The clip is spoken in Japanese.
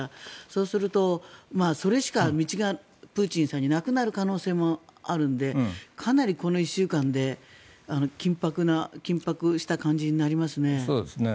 そうすると、それしか道がプーチンさんになくなる可能性もあるのでかなりこの１週間で緊迫した感じになりますね。